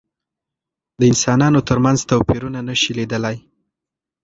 د انسانانو تر منځ توپيرونه نشي لیدلای.